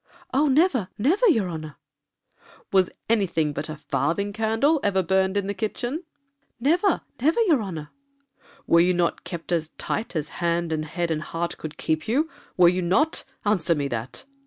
'Oh never, never, your honor.' 'Was any thing but a farthing candle ever burned in the kitchen?' 'Never, never, your honor.' 'Were not you kept as tight as hand and head and heart could keep you, were you not? answer me that.'